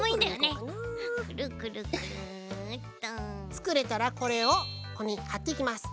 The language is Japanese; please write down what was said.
つくれたらこれをここにはっていきます。